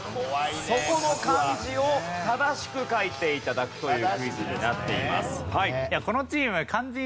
そこの漢字を正しく書いて頂くというクイズになっています。